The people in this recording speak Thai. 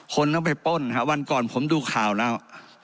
คนต้องไปป้นครับวันก่อนผมดูข่าวแล้ว